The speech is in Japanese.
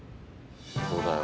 そうだよ